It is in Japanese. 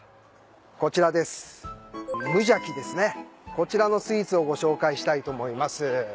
こちらのスイーツをご紹介したいと思います。